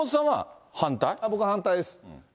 僕は反対です。